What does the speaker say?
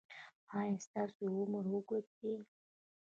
ایا ستاسو عمر اوږد دی؟